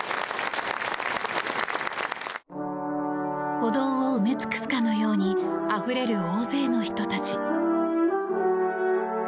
歩道を埋め尽くすかのようにあふれる大勢の人たち。